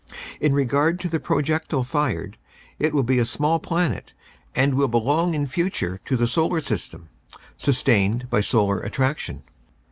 In regard to the projectile fired, it will be a small planet, and will belong in future to the solar system, sustained by solar attraction.